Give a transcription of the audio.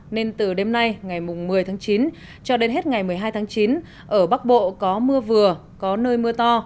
nên từ đêm nay ngày một mươi tháng chín cho đến hết ngày một mươi hai tháng chín ở bắc bộ có mưa vừa có nơi mưa to